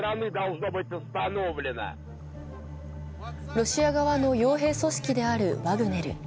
ロシア側のよう兵組織であるワグネル。